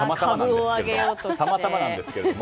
たまたまなんですけど。